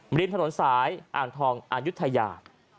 ริมถนนสายอ่างทองอายุทยา